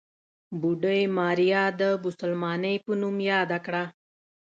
بوډۍ ماريا د بوسلمانې په نوم ياده کړه.